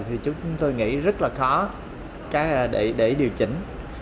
thì chúng tôi nghĩ rất là khó để điều chỉnh